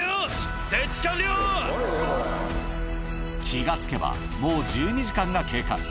気が付けば、もう１２時間が経過。